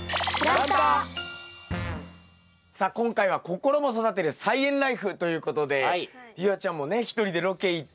さあ今回は「ココロも育てる！菜園ライフ」ということで夕空ちゃんもね一人でロケ行って。